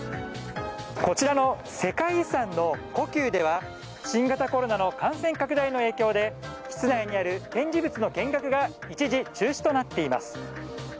こちらの世界遺産の故宮では新型コロナの感染拡大の影響で室内にある展示物の見学が一時、中止となっています。